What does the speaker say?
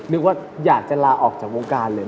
นึกว่าอยากจะลาออกจากวงการเลย